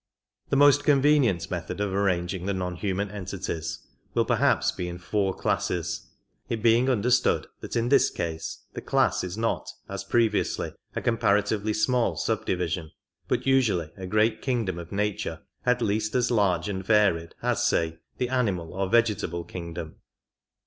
The most convenient method of arranging the non human entities will perhaps be in four classes — it being understood that in this case the class is not, as previously, a comparatively small subdivision, but usually a great kingdom of nature at least as large and varied as, say, the animal or vegetable king dom.